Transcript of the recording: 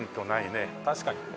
確かに。